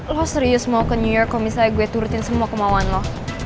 lo serius mau ke new york kalau misalnya gue turutin semua kemauan lo